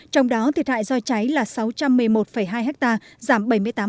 trong đó thiệt hại do cháy là sáu trăm một mươi một hai ha giảm bảy mươi tám